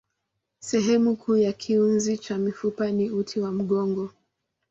Sehemu kuu ya kiunzi cha mifupa ni uti wa mgongo.